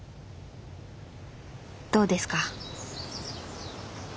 どうですか？